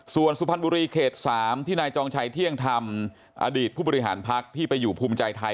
ส่วนสุพรรณบุรีเขต๓ที่นายจองชัยเที่ยงธรรมอดีตผู้บริหารพักที่ไปอยู่ภูมิใจไทย